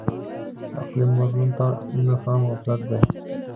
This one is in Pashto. د اقلیم بدلون ته نه پام غفلت دی.